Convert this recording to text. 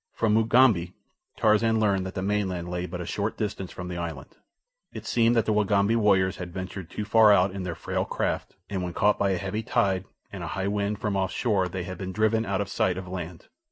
From Mugambi Tarzan learned that the mainland lay but a short distance from the island. It seemed that the Wagambi warriors had ventured too far out in their frail craft, and when caught by a heavy tide and a high wind from off shore they had been driven out of sight of land.